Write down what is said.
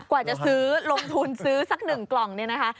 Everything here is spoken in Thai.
กว่าจะซื้อลงทุนซื้อสักหนึ่งกล่องเนี่ยนะคะ